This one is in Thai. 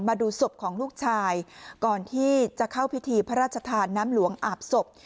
มาดูศพของลูกชายก่อนที่จะเข้าพิธีพระราชทานน้ำหลวงอาบศพ